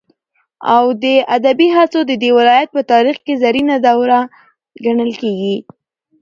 او د ادبي هڅو ددې ولايت په تاريخ كې زرينه دوره گڼل كېږي.